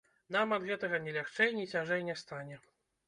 Нам ад гэтага ні лягчэй, ні цяжэй не стане.